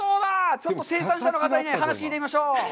ちょっと生産者の方に話を聞いてみましょう。